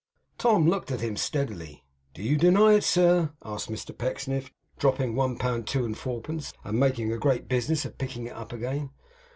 Tom looked at him steadily. 'Do you deny it, sir?' asked Mr Pecksniff, dropping one pound two and fourpence, and making a great business of picking it up again.